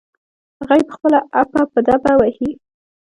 هغه يې په خپله ابه په دبه وهي.